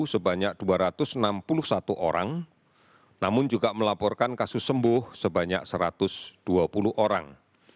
sebanyak dua ratus enam puluh satu orang namun juga melaporkan kasus sembuh sebanyak satu ratus dua puluh orang